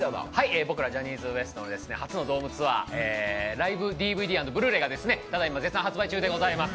僕らジャニーズＷＥＳＴの初のドームツアー、ライブＤＶＤ＆ブルーレイが絶賛発売中でございます。